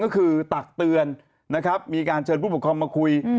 ก็คือตักเตือนนะครับมีการเชิญผู้ปกครองมาคุย